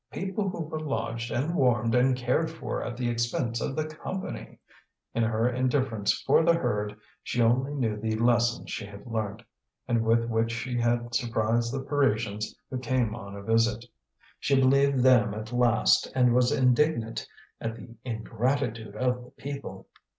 People who were lodged and warmed and cared for at the expense of the Company! In her indifference for the herd, she only knew the lessons she had learnt, and with which she had surprised the Parisians who came on a visit. She believed them at last, and was indignant at the ingratitude of the people.